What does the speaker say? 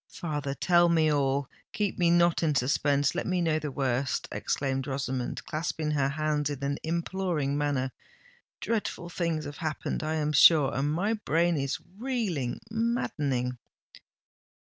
"Father, tell me all—keep me not in suspense—let me know the worst!" exclaimed Rosamond, clasping her hands in an imploring manner. "Dreadful things have happened, I am sure—and my brain is reeling, maddening!"